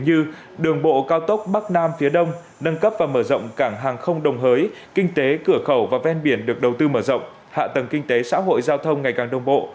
như đường bộ cao tốc bắc nam phía đông nâng cấp và mở rộng cảng hàng không đồng hới kinh tế cửa khẩu và ven biển được đầu tư mở rộng hạ tầng kinh tế xã hội giao thông ngày càng đông bộ